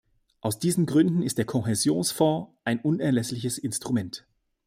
Aus diesen Gründen ist der Kohäsionsfonds ein unerlässliches Instrument.